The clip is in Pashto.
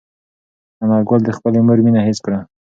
انارګل د خپلې مور مینه حس کړه.